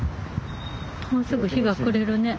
もうすぐ日が暮れるね。